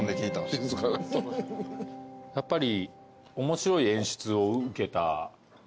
やっぱり。